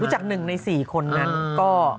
รู้จัก๑ใน๔คนนั้นก็